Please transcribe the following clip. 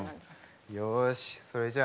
よしそれじゃあ行こう。